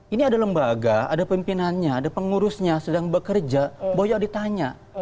ini ada lembaga ada pimpinannya ada pengurusnya sedang bekerja boyo ditanya